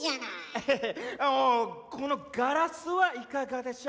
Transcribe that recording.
おこのガラスはいかがでしょう？